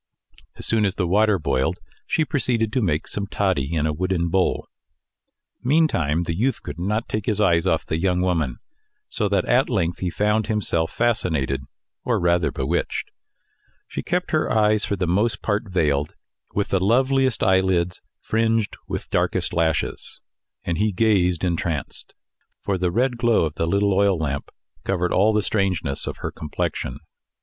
As soon as the water boiled, she proceeded to make some toddy in a wooden bowl. Meantime the youth could not take his eyes off the young woman, so that at length he found himself fascinated, or rather bewitched. She kept her eyes for the most part veiled with the loveliest eyelids fringed with darkest lashes, and he gazed entranced; for the red glow of the little oil lamp covered all the strangeness of her complexion.